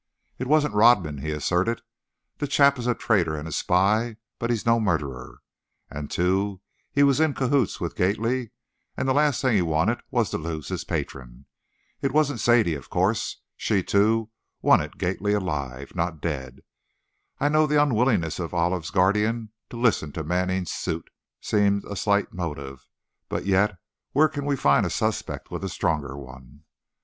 "It wasn't Rodman," he asserted; "that chap is a traitor and a spy, but he's no murderer. And, too, he was in cahoots with Gately, and the last thing he wanted was to lose his patron. It wasn't Sadie, of course; she too, wanted Gately alive, not dead. I know the unwillingness of Olive's guardian to listen to Manning's suit, seems a slight motive, yet where can we find a suspect with a stronger one?"